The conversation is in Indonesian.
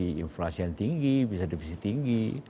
kondisi yang tinggi bisa divisi tinggi